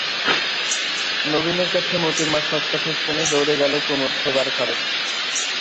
নবীনের কাছে মোতির মা সব কথা শুনে দৌড়ে গেল কুমুর শোবার ঘরে।